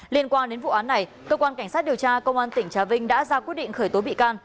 liên quan đến vụ án này cơ quan cảnh sát điều tra công an tỉnh trà vinh đã ra quyết định khởi tố bị can